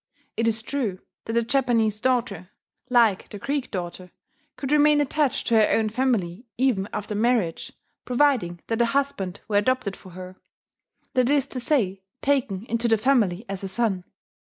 It is true that the Japanese daughter, like the Greek daughter, could remain attached to her own family even after marriage, providing that a husband were adopted for her, that is to say, taken into the family as a son.